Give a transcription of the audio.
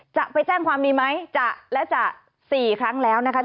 จะไปแจ้งความดีไหมจะและจะ๔ครั้งแล้วนะคะ